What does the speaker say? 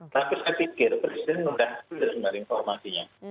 tapi saya pikir presiden sudah mendahului dari informasinya